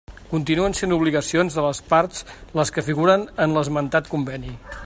Continuen sent obligacions de les parts les que figuren en l'esmentat conveni.